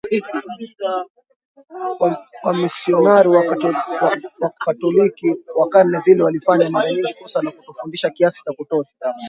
Wamisionari Wakatoliki wa karne zile walifanya mara nyingi kosa la kutofundisha kiasi cha kutosha